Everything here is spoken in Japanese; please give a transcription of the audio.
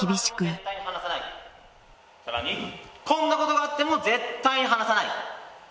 さらにこんなことがあっても絶対に離さない。